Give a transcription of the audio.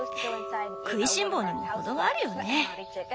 食いしん坊にもほどがあるよね。